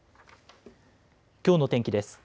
きょうの天気です。